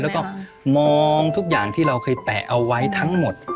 แล้วก็มองทุกอย่างที่เราเคยแตะเอาไว้ทั้งหมด